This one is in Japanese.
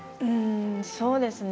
そうですね